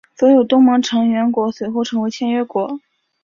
所有东盟成员国随后成为签约国。